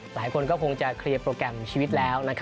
หลายคนก็คงจะเคลียร์โปรแกรมชีวิตแล้ว